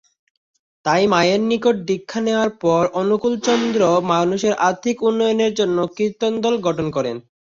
তাই মায়ের নিকট দীক্ষা নেওয়ার পর অনুকূলচন্দ্র মানুষের আত্মিক উন্নয়নের জন্য কীর্তনদল গঠন করেন।